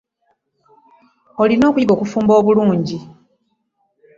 Olina okuyiga okufumba obulungi.